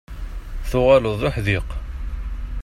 Tuɣaleḍ d uḥdiq.